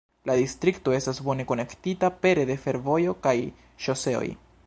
La distrikto estas bone konektita pere de fervojo kaj ŝoseoj.